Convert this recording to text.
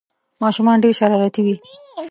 ماشومان ډېر شرارتي وي